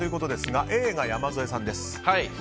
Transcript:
Ａが山添さんです。